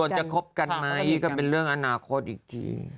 จะคบกันไหมก็เป็นเรื่องอนาคตอีกที